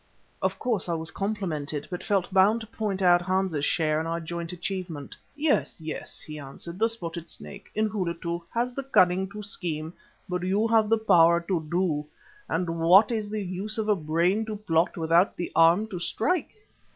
Of course I was complimented, but felt bound to point out Hans's share in our joint achievement. "Yes, yes," he answered, "the Spotted Snake, Inhlatu, has the cunning to scheme, but you have the power to do, and what is the use of a brain to plot without the arm to strike?